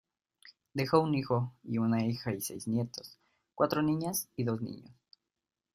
Dejó un hijo y una hija y seis nietos, cuatro niñas y dos niños.